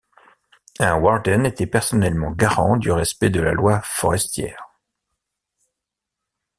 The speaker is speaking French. Un warden était personnellement garant du respect de la loi forestière.